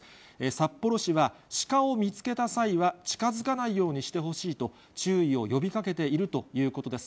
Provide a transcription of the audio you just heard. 札幌市は、シカを見つけた際は近づかないようにしてほしいと、注意を呼びかけているということです。